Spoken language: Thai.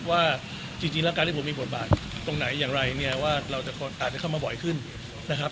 ว่าจริงแล้วการที่ผมมีบทบาทตรงไหนอย่างไรเนี่ยว่าเราจะอาจจะเข้ามาบ่อยขึ้นนะครับ